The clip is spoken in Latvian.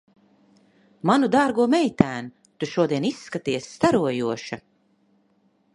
Manu dārgo meitēn, tu šodien izskaties starojoša.